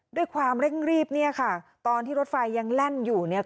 ด้วยความเร่งรีบเนี่ยค่ะตอนที่รถไฟยังแล่นอยู่เนี่ย